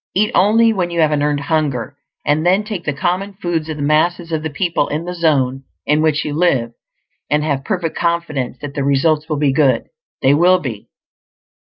Eat only when you have an earned hunger, and then take the common foods of the masses of the people in the zone in which you live, and have perfect confidence that the results will be good. They will be.